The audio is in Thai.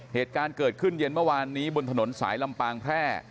เหตุการณ์เกิดขึ้นเย็นเมื่อวานนี้บนถนนสายลำปางแพร่